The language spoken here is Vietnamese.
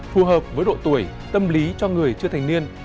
phù hợp với độ tuổi tâm lý cho người chưa thành niên